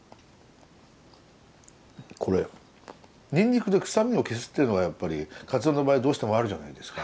これニンニクで臭みを消すっていうのがやっぱりかつおの場合どうしてもあるじゃないですか。